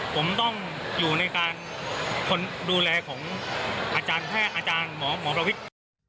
ผมต้องอยู่ในการคนดูแลของอาจารย์แพทย์อาจารย์หมอประวิทย์